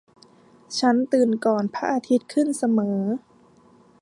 ฉันตื่นก่อนพระอาทิตย์ขึ้นเสมอ